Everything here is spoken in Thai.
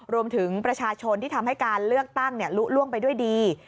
รวมถึงประชาชนที่ทำให้การเลือกตั้งลุล่วงไปด้วยดี